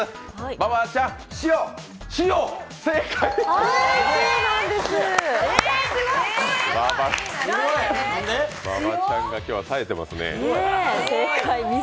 馬場ちゃんが今日はさえてますね。